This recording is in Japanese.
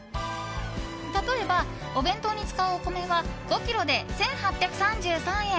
例えば、お弁当に使うお米は５ｋｇで１８３３円。